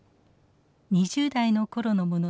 ２０代の頃のものです。